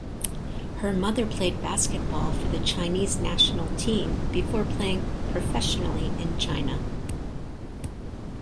Her mother played basketball for the Chinese national team before playing professionally in China.